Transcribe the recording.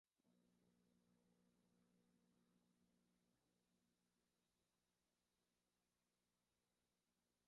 He originally wanted to become an architect but he did not pursue that vocation.